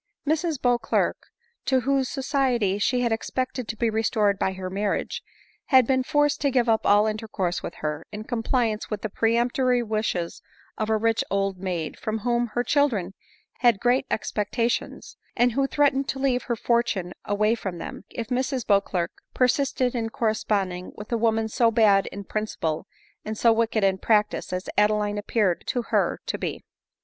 ' Mrs Beauclerc, to whose society she had expected to be restored by her marriage, had been forced to give up all intercourse with her, in compliance with the peremptory wishes of a rich old maid, from whom her children had great expectations, and who threatened to leave her for tune away from them, if Mrs Beauclerc persisted in corresponding with a woman so bad in principle, and so wicked in practice, as Adeline appeared to her to be.